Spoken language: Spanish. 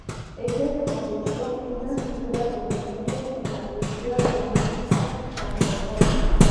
Ella se convirtió en una figura prominente en la cultura de la música Cantopop.